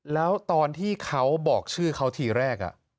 แล้วตอนที่เขาบอกชื่อเขาทีแรก